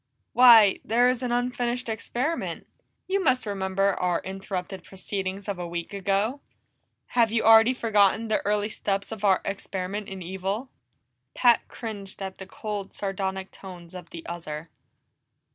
"Why, there is an unfinished experiment. You must remember our interrupted proceedings of a week ago! Have you already forgotten the early steps of our experiment in evil?" Pat cringed at the cold, sardonic tones of the other.